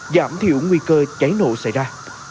giảm thiểu nguy cơ cháy nổ xảy ra